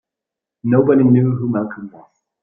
Nobody knew who Malcolm was.